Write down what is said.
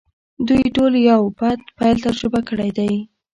دوی ټولو یو بد پیل تجربه کړی دی